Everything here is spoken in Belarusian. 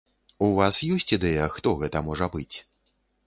У вас ёсць ідэя, хто гэта можа быць?